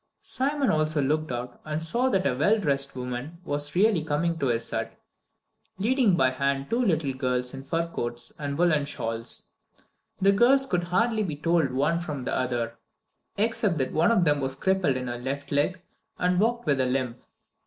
Simon also looked out, and saw that a well dressed woman was really coming to his hut, leading by the hand two little girls in fur coats and woolen shawls. The girls could hardly be told one from the other, except that one of them was crippled in her left leg and walked with a limp.